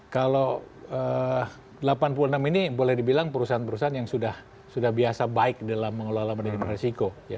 kalau delapan puluh enam ini boleh dibilang perusahaan perusahaan yang sudah biasa baik dalam mengelola manajemen resiko